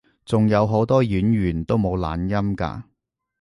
仲有好多演員都冇懶音㗎